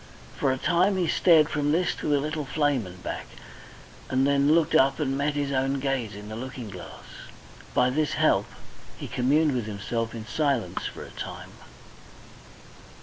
For a time he stared from this to the little flame and back, and then looked up and met his own gaze in the looking glass. By this help he communed with himself in silence for a time.